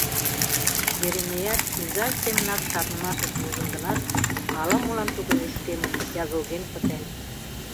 Еремеят изаж семынак шарнымашыш возын гынат, ала-молан тудо нӱшкемын, ягылген пытен.